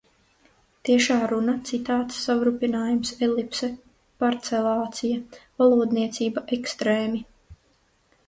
Tiešā runa, citāts, savrupinājums, elipse, parcelācija. Valodniecība. Ekstrēmi.